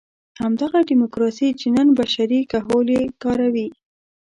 همدغه ډیموکراسي چې نن بشري کهول یې کاروي.